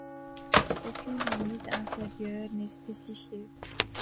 Aucune limite inférieure n'est spécifiée.